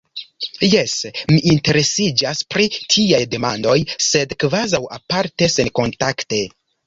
Jes, mi interesiĝas pri tiaj demandoj, sed kvazaŭ aparte, senkontakte.